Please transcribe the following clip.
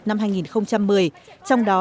năm hai nghìn một mươi trong đó